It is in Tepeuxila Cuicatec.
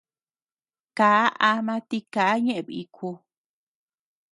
Kaa ama tika ñeʼe biku.